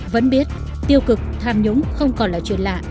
vẫn biết tiêu cực tham nhũng không còn là chuyện lạ